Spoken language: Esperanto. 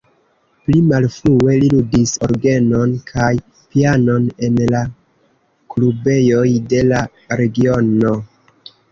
Pli malfrue li ludis orgenon kaj pianon en la klubejoj de la regiono.